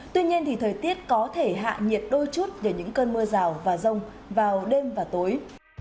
tuy nhiên thì thời tiết có thể hạ nhiệt đôi chút về những cơn mưa rào và rông vào đêm và tối